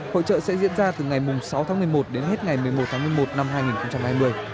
hội trợ sẽ diễn ra từ ngày sáu tháng một mươi một đến hết ngày một mươi một tháng một mươi một năm hai nghìn hai mươi